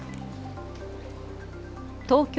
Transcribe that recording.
東京